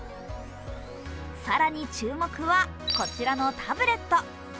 更に注目はこちらのタブレット。